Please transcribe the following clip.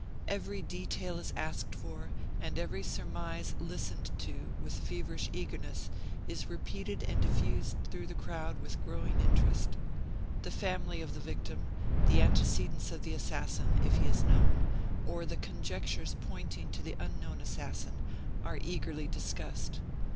Every detail is asked for, and every surmise listened to, with feverish eagerness is repeated and diffused through the crowd with growing interest. The family of the victim; the antecedents of the assassin, if he is known; or the conjectures pointing to the unknown assassin, are eagerly discussed.